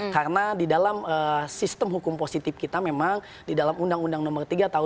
karena didalam sistem hukum positif kita memang didalam undang undang nomor tiga tahun dua ribu lima